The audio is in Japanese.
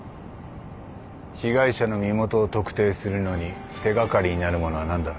被害者の身元を特定するのに手掛かりになるものは何だ？